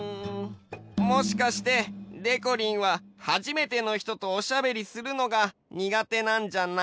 もしかしてでこりんは初めての人とおしゃべりするのがにがてなんじゃない？